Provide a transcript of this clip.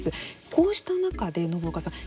こうした中で、信岡さん